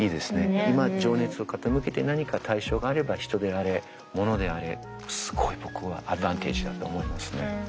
今情熱を傾けて何か対象があれば人であれ物であれすごい僕はアドバンテージだと思いますね。